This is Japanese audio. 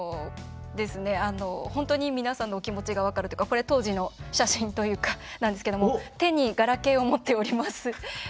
本当に皆さんの気持ちが分かるというかこれ、当時の写真なんですけども手にガラケーを持っております。